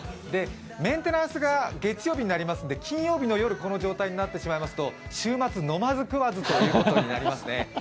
メンテナンスが月曜日になりますので、金曜日の夜この状態になってしまいますと、週末、飲まず食わずということになりますね。